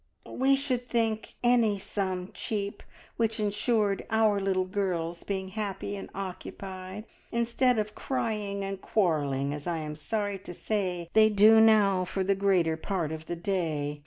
"We should think any sum cheap which ensured our little girls being happy and occupied, instead of crying and quarrelling, as I am sorry to say they do now for the greater part of the day.